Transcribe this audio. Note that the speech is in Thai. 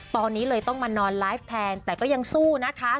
ตอนนี้เลยต้องมานอนไลฟ์แทนแต่ก็ยังสู้นะคะ